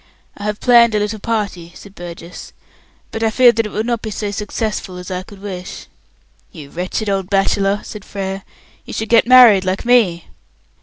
"I have planned a little party," said Burgess, "but I fear that it will not be so successful as I could wish." "You wretched old bachelor," said Frere; "you should get married, like me."